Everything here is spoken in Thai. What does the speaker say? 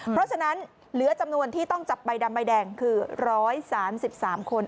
เพราะฉะนั้นเหลือจำนวนที่ต้องจับใบดำใบแดงคือ๑๓๓คน